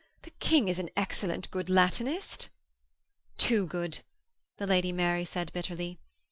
The King is an excellent good Latinist!' 'Too good!' the Lady Mary said bitterly.